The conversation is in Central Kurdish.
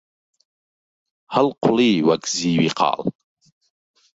هەڵقوڵی وەک زیوی قاڵ